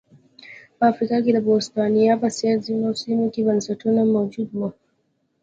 په افریقا کې د بوتسوانا په څېر ځینو سیمو کې بنسټونه موجود وو.